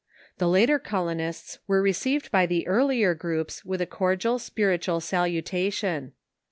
The later colonists were received by the ear lier groups with a cordial spiritual salutation.